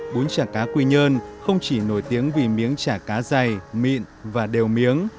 bún chả cá quy nhơn không chỉ nổi tiếng vì miếng chả cá dày mịn và đều miếng